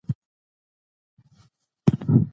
اخلاقي ارزښتونه باید هیر نه کړو.